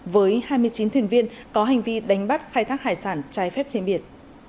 với hai mươi chín thuyền viên có hành vi đánh bắt khai thác hải sản trái phép trên biển